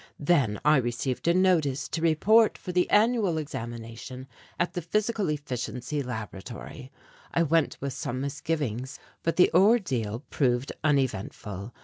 Then I received a notice to report for the annual examination at the Physical Efficiency Laboratory. I went with some misgivings, but the ordeal proved uneventful.